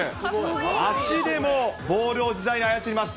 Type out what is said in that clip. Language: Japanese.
足でもボールを自在に操ります。